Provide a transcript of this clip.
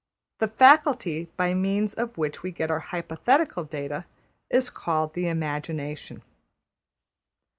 The faculty by means of which we get our hypothetical data is called the Imagination.